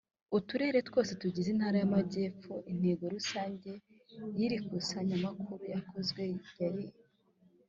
Turere twose tugize Intara y Amajyepfo Intego rusange y iri kusanyamakuru ryakozwe yari